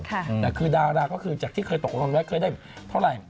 แต่คือดาราก็คือจากที่เคยตกลงไว้เคยได้เท่าไหร่